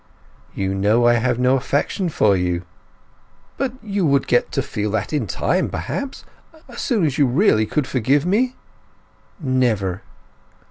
"You know I have no affection for you." "But you would get to feel that in time, perhaps—as soon as you really could forgive me?" "Never!"